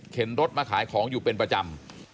รถมาขายของอยู่เป็นประจำ